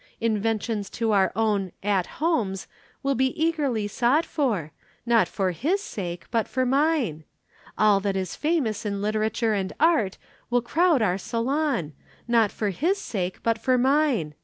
Invitations to our own 'At Homes' will be eagerly sought for not for his sake, but for mine. All that is famous in literature and art will crowd our salon not for his sake, but for mine.